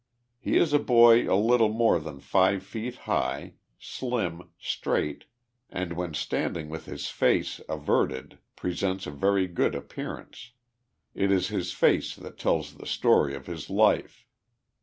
He is a hoy a little more than live feet high, slim, straight, and when standing with his face averted presents a very good appearance. It is his face that tells the story of his life.